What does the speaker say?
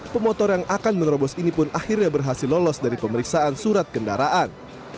pemotor yang akan menerobos ini pun akhirnya berhasil lolos dari pemeriksaan surat kendaraan